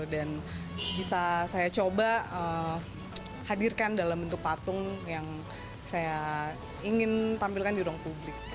dan bisa saya coba hadirkan dalam bentuk patung yang saya ingin tampilkan di ruang publik